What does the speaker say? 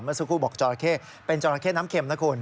เมื่อซูกูบอกจอราเคน้ำเข็มนะคุณ